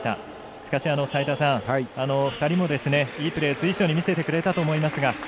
しかし、２人もいいプレー随所に見せてくれたと思いますが。